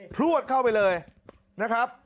พลวดเข้าไปเลยนะครับ